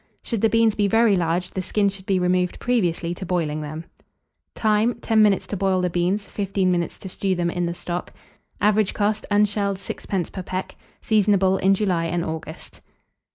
Should the beans be very large, the skin should be removed previously to boiling them. Time. 10 minutes to boil the beans, 15 minutes to stew them in the stock. Average cost, unshelled, 6d. per peck. Seasonable in July and August.